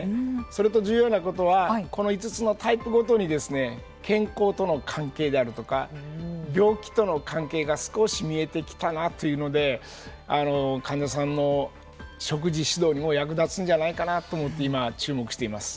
それと、重要なことはこの５つのタイプごとに健康との関係であるとか病気との関係が少し見えてきたなというので患者さんの食事指導にも役立つんじゃないかなと思って今注目しています。